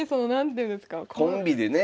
コンビでね。